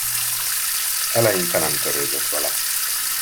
Eleinte nem törődött vele.